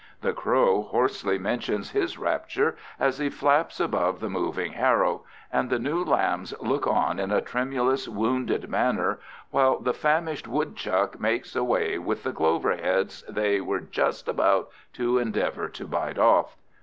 The crow hoarsely mentions his rapture as he flaps above the moving harrow, and the new lambs look on in a tremulous, wounded manner while the famished woodchuck makes away with the cloverheads they were just about to endeavor to bite off.